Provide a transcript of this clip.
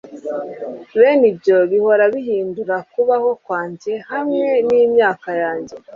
Bene ibyo bihora bihindura kubaho kwanjye hamwe nimyaka yanjye